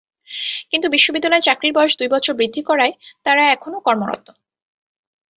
কিন্তু বিশ্ববিদ্যালয় চাকরির বয়স দুই বছর বৃদ্ধি করায় তাঁরা এখনো কর্মরত।